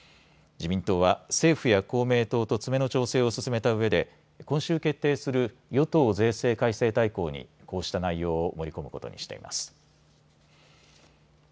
自民党は政府や公明党と詰めの調整を進めたうえで今週決定する与党税制改正大綱にこうした内容を盛り込むことにしています。